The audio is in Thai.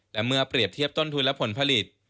แต่เมื่อเปรียบเทียบต้นทุนและผลผลิต